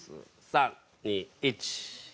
３２１。